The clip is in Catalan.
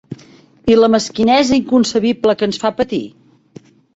I la mesquinesa inconcebible que ens fa patir?